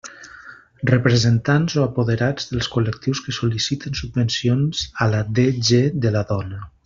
Representants o apoderats dels col·lectius que sol·liciten subvencions a la DG de la Dona.